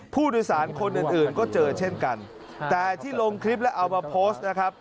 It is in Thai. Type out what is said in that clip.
ผู้โดยสารคนอื่นอื่นก็เจอเช่นกันแต่ที่ลงคลิปแล้วเอามาโพสต์นะครับ